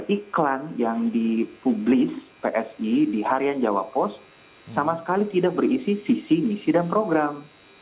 iklan yang dipublis psi di harian jawa post sama sekali tidak berisi visi misi dan program